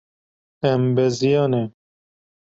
Em beziyane.